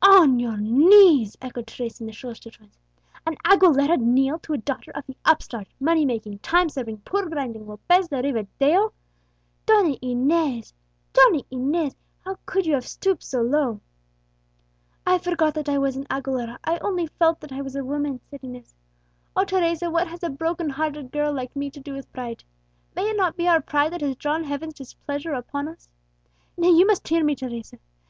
"On your knees!" echoed Teresa in the shrillest of tones; "an Aguilera kneel to a daughter of the upstart, money making, time serving, poor grinding Lopez de Rivadeo! Donna Inez! Donna Inez! how could you have stooped so low?" "I forgot that I was an Aguilera I only felt that I was a woman," said Inez. "O Teresa, what has a broken hearted girl like me to do with pride? May it not be our pride that has drawn Heaven's displeasure upon us? Nay, you must hear me, Teresa.